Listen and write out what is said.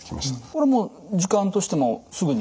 これはもう時間としてもすぐに？